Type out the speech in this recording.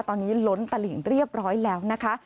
ตอนนี้ล้นตลิ่งเรียบร้อยแล้วนะคะ